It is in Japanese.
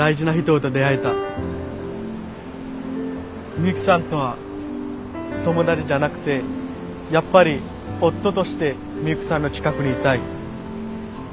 ミユキさんとは友達じゃなくてやっぱり夫としてミユキさんの近くにいたい。